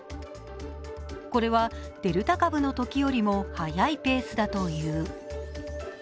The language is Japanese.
これはデルタ株のときよりも早いペースだという。